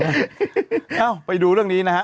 เอ้าไปดูเรื่องนี้นะฮะ